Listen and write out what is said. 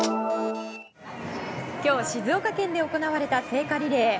今日は静岡県で行われた聖火リレー。